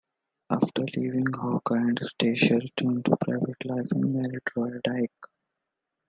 After leaving Hawkwind, Stacia returned to private life and married Roy Dyke.